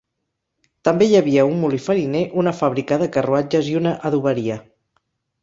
També hi havia un molí fariner, una fàbrica de carruatges i una adoberia.